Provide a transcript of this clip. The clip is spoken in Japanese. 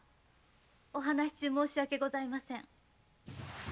お話し中申し訳ございません。